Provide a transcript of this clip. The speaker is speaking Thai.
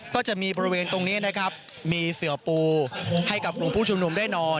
ก็จะมีบริเวณตรงนี้นะครับมีเสือปูให้กับกลุ่มผู้ชุมนุมได้นอน